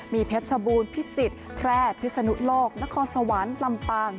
มีเพชรชบูรณพิจิตรแพร่พิศนุโลกนครสวรรค์ลำปาง